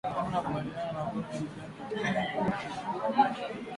Namna ya kukabiliana na ugonjwa wa ndigana kali ni kudhibiti kupe